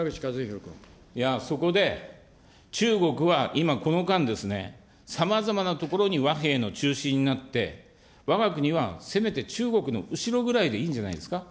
いや、そこで、中国は今、この間ですね、さまざまなところに和平の中心になって、わが国はせめて中国の後ろぐらいでいいんじゃないですか。